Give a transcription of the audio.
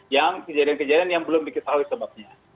yang kejadian kejadian yang belum diketahui sebabnya